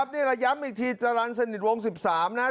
นี่เราย้ำอีกทีจรรย์สนิทวง๑๓นะ